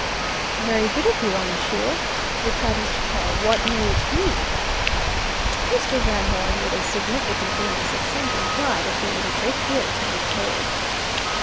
"Very good of you, I'm sure," replied Mr. Pawle. "What may it be?" Mr. Van Hoeren made a significant grimace; it seemed to imply that there was a great deal to be told.